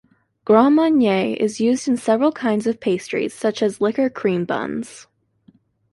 Grand Marnier is used in several kinds of pastries, such as liquor cream buns.